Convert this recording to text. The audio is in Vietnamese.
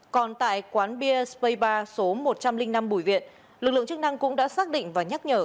còn tại quán bia space ba số một trăm linh năm bùi viện lực lượng chức năng cũng đã xác định và nhắc nhở